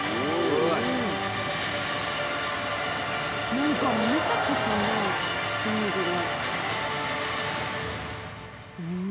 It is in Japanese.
何か見たことない筋肉が。